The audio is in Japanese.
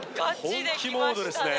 本気モードですね